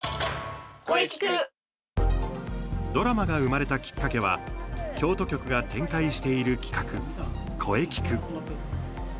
ドラマが生まれたきっかけは京都局が展開している企画「こえきく！！」。